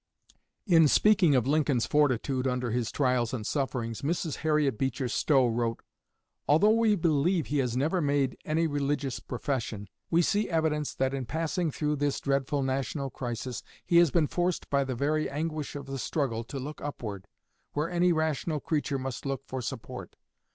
In speaking of Lincoln's fortitude under his trials and sufferings, Mrs. Harriet Beecher Stowe wrote: "Although we believe he has never made any religious profession, we see evidence that in passing through this dreadful national crisis he has been forced by the very anguish of the struggle to look upward, where any rational creature must look for support.